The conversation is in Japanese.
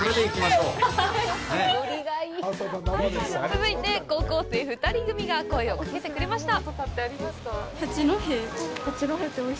続いて、高校生２人組が声をかけてくれました。